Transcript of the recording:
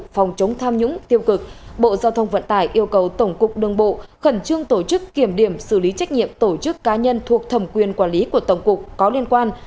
không những tiêu cực bộ giao thông vận tải yêu cầu tổng cục đường bộ khẩn trương tổ chức kiểm điểm xử lý trách nhiệm tổ chức cá nhân thuộc thẩm quyền quản lý của tổng cục có liên quan